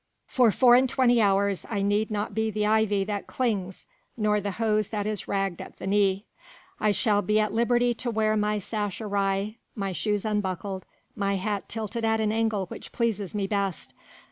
For four and twenty hours I need not be the ivy that clings nor the hose that is ragged at the knee. I shall be at liberty to wear my sash awry, my shoes unbuckled, my hat tilted at an angle which pleases me best.